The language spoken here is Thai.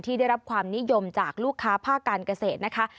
ได้รับความนิยมจากลูกค้าภาคการเกษตรนะคะ